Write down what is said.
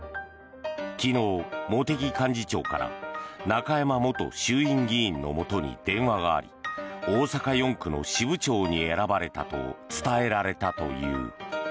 昨日、茂木幹事長から中山元衆院議員のもとに電話があり、大阪４区の支部長に選ばれたと伝えられたという。